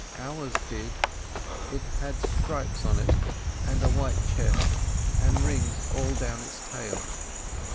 Ours did. It had stripes on it, and a white chest, and rings all down its tail.